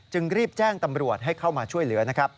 จึงรีบแจ้งตำรวจให้เข้ามาช่วยเหลือ